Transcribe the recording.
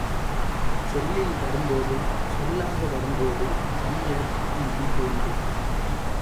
சொல்லில் வரும் போதே சொல்லாக வரும் போதே தனி எழுத்துக்கு மதிப்பு உண்டு.